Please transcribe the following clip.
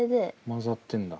混ざってんだ。